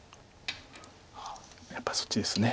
やっぱりそっちですね。